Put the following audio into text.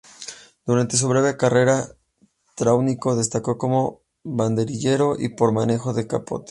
Durante su breve carrera taurina destacó como banderillero y por su manejo del capote.